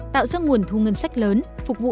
tạo ra nguồn thu ngân sách lớn phục vụ